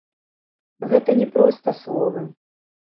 Гэта не проста словы.